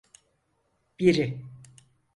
Biri.